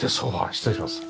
失礼します。